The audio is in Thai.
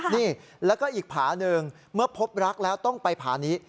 นี่แล้วก็อีกผาหนึ่งเมื่อพบรักแล้วต้องไปผานี้